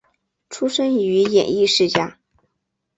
出身于演艺世家。